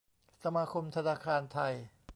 สมาคมธนาคารไทย